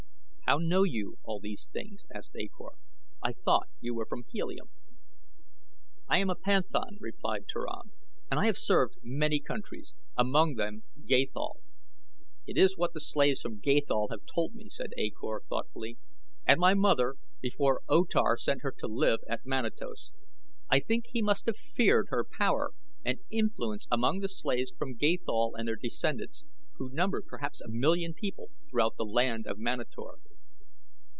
"How know you all these things?" asked A Kor. "I thought you were from Helium." "I am a panthan," replied Turan, "and I have served many countries, among them Gathol." "It is what the slaves from Gathol have told me," said A Kor, thoughtfully, "and my mother, before O Tar sent her to live at Manatos. I think he must have feared her power and influence among the slaves from Gathol and their descendants, who number perhaps a million people throughout the land of Manator."